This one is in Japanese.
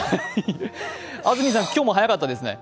安住さん、今日も早かったですね。